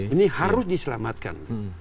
ini harus diselamatkan